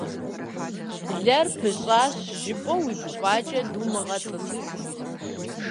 Блэр пӏыщӏащ жыпӏэу уи гуфӏакӏэ думыгъэтӏысхьэ.